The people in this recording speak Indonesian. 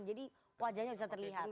jadi wajahnya bisa terlihat